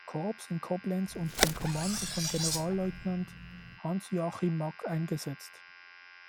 Korps in Koblenz unter dem Kommando von Generalleutnant Hans-Joachim Mack eingesetzt.